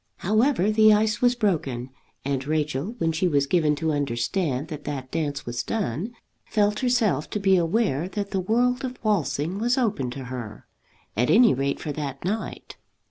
However the ice was broken, and Rachel, when she was given to understand that that dance was done, felt herself to be aware that the world of waltzing was open to her, at any rate for that night.